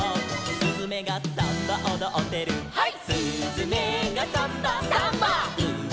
「すずめがサンバおどってる」「ハイ！」